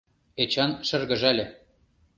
Эчан шыргыжале.